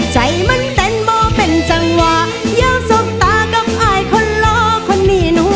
ใจมันเต้นบ่เป็นจังหวะยาวสมตากับไอ้คนล้อคนนี้หนูขอ